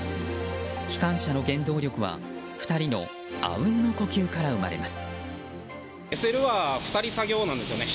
機関車の原動力は、２人のあうんの呼吸から生まれます。